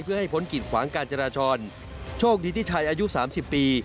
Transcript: เพื่อให้พ้นกิดขวางการจราจรโชคดีที่ชายอายุ๓๐ปี